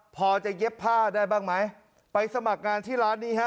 พอจะเย็บผ้าได้บ้างไหมไปสมัครงานที่ร้านนี้ฮะ